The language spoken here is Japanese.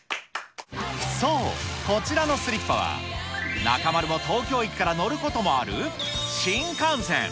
そう、こちらのスリッパは、中丸も東京駅から乗ることもある新幹線。